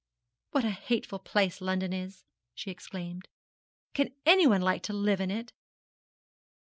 'What a hateful place London is!' she exclaimed. 'Can any one like to live in it?'